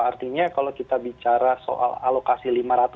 artinya kalau kita bicara soal alokasi lima ratus dua puluh tiga